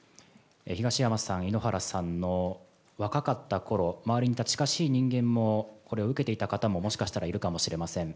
東山さん、井ノ原さんの若かったころ、周りにいた近しい人間も、これを受けていた方も、もしかしたらいるかもしれません。